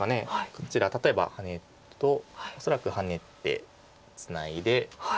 こちら例えばハネると恐らくハネてツナいで。